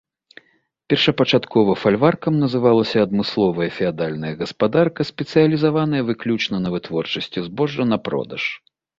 Першапачаткова фальваркам называлася адмысловая феадальная гаспадарка, спецыялізаваная выключна на вытворчасці збожжа на продаж.